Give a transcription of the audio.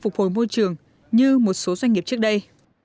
phục hồi môi trường như một số doanh nghiệp trước đây